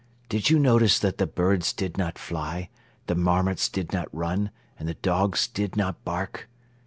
Did you notice that the birds did not fly, the marmots did not run and the dogs did not bark?